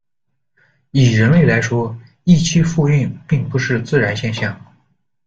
以人类来说，异期复孕并不是自然现象。